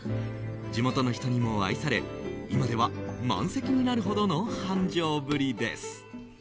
地元の人にも愛され今では満席になるほどの繁盛ぶりです。